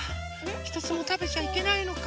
ひとつもたべちゃいけないのか。